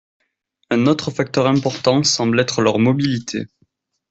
Un autre facteur important semble être leur mobilité.